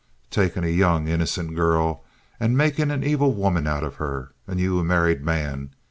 Takin' a young, innocent girl and makin' an evil woman out of her, and ye a married man!